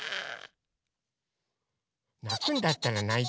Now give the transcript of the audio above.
なくんだったらないて。